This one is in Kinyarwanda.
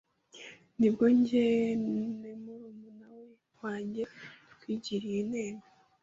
nibwo njye ne murumune wenjye twigiriye ineme